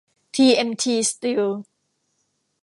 ทีเอ็มที สตีล